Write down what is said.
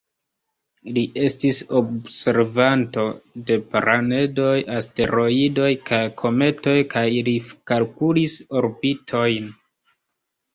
Li estis observanto de planedoj, asteroidoj kaj kometoj kaj li kalkulis orbitojn.